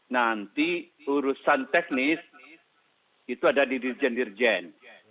nanti urusan teknis itu ada di dirjen dirjen